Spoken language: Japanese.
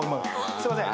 すいません。